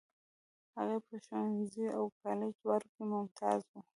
هغه په ښوونځي او کالج دواړو کې ممتاز و.